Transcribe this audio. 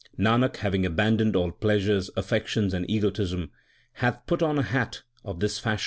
Nanak having abandoned all pleasures, affections, and egotism, Hath put on a hat of this fashion.